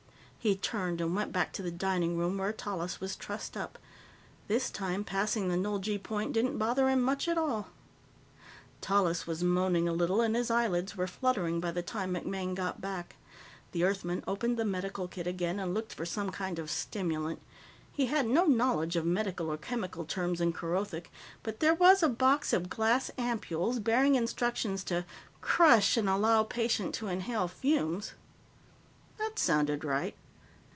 He turned and went back to the dining cabin where Tallis was trussed up. This time, passing the null gee point didn't bother him much at all. Tallis was moaning a little and his eyelids were fluttering by the time MacMaine got back. The Earthman opened the medical kit again and looked for some kind of stimulant. He had no knowledge of medical or chemical terms in Kerothic, but there was a box of glass ampoules bearing instructions to "crush and allow patient to inhale fumes." That sounded right.